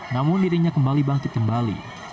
namun dirinya kembali bangkit kembali